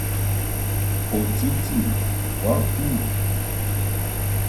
Otiti wa kü,